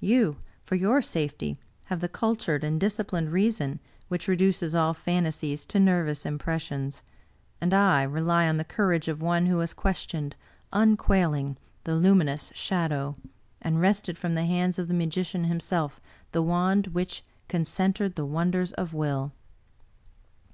You, for your safety, have the cultured and dis ciplined reason which reduces all fantasies to nervous im pressions; and I rely on the courage of one who has questioned, unquailing, the Luminous Shadow, and wrested from the hand of the magician himself the wand which con centered the wonders of will!"